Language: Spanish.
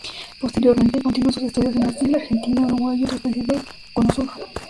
Posteriormente, continuó sus estudios en Brasil, Argentina, Uruguay y otros países del cono sur.